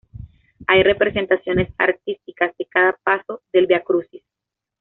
Hay representaciones artísticas de cada paso del viacrucis.